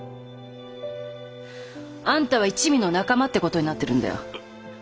あんたは一味の仲間って事になってるんだよ。